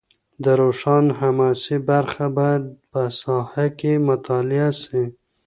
د روښان حماسي برخه باید په ساحه کي مطالعه سي.